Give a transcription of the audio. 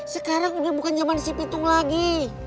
sekarang udah bukan zaman si pitung lagi